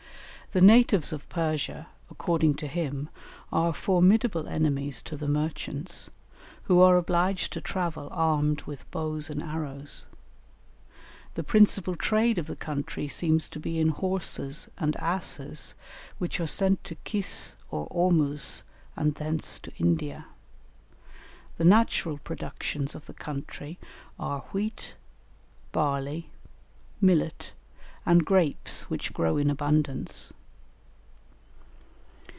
The natives of Persia, according to him, are formidable enemies to the merchants, who are obliged to travel armed with bows and arrows. The principal trade of the country seems to be in horses and asses, which are sent to Kis or Ormuz and thence to India. The natural productions of the country are wheat, barley, millet, and grapes, which grow in abundance.